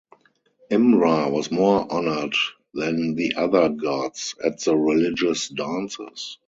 Imra was more honored than the other gods at the religious dances.